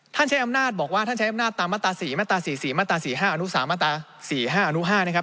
ใช้อำนาจบอกว่าท่านใช้อำนาจตามมาตรา๔มาตรา๔๔มาตรา๔๕อนุ๓มาตรา๔๕อนุ๕นะครับ